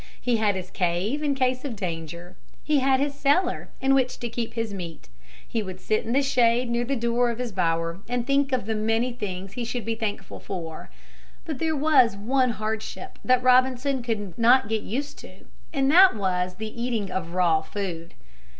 He had his cave in case of danger. He had his cellar in which to keep his meat. He would sit in the shade near the door of his bower and think of the many things he should be thankful for. But there was one hardship that Robinson could not get used to and that was the eating of raw food.